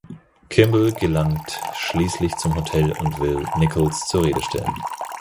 Kimble gelangt schließlich zum Hotel und will Nichols zur Rede stellen.